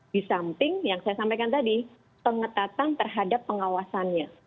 di samping yang saya sampaikan tadi pengetatan terhadap pengawasannya